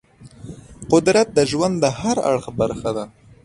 قدرت د ژوند د هر اړخ برخه ده.